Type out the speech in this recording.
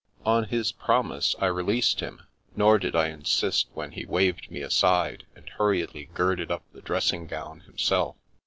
On his promise, I released him, nor did I insist when he waved me aside, and hurriedly girded up the dressing gown himself.